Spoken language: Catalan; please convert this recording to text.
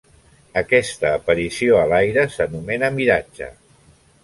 Aquesta aparició a l'aire s'anomena miratge.